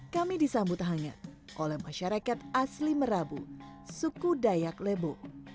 kami disambut hangat oleh masyarakat asli merabu suku dayak lebo